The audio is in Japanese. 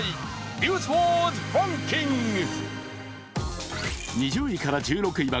「ニュースワードランキング」。